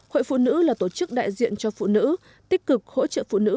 hội phụ nữ là tổ chức đại diện cho phụ nữ tích cực hỗ trợ phụ nữ